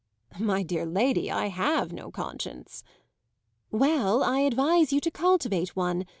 "My dear lady, I have no conscience!" "Well, I advise you to cultivate one.